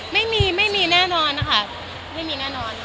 ไม่มีไม่มีแน่นอนนะคะไม่มีแน่นอน